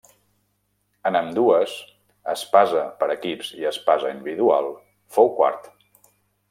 En ambdues, espasa per equips i espasa individual fou quart.